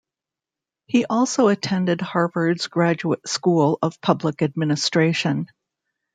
He also attended Harvard's Graduate School of Public Administration.